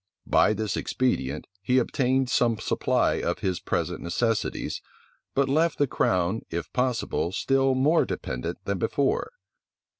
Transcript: By this expedient, he obtained some supply for his present necessities, but left the crown, if possible, still more dependent than before.